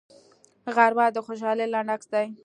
غرمه د خوشحالۍ لنډ عکس دی